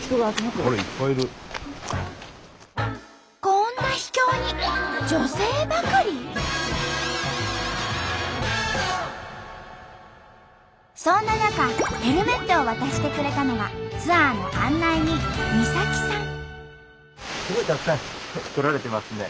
こんな秘境にそんな中ヘルメットを渡してくれたのがツアーの案内人すごいたくさん来られてますね。